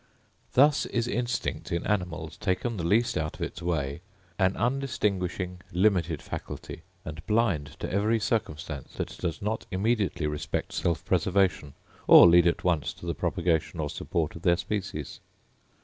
Thus is instinct in animals, taken the least out of its way, an undistinguishing, limited faculty; and blind to every circumstance that does not immediately respect self preservation, or lead at once to the propagation or support of their species.